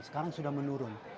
sekarang sudah menurun